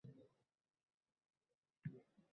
Siz o‘z san’atingizni sevasizmi?